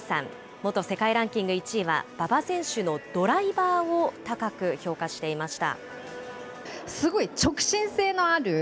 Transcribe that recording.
元世界ランキング１位は、馬場選手のドライバーを高く評価していました。